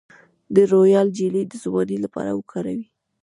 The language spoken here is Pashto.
د رویال جیلی د ځوانۍ لپاره وکاروئ